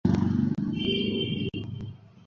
আমরা কি বিয়ে করবো?